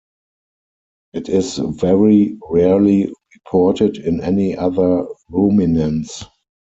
It is very rarely reported in any other ruminants.